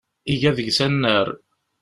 Iga deg-s annar.